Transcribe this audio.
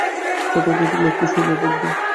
সততাই তো লক্ষ্মীর সোনার পদ্ম।